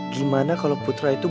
gimana kalau putra itu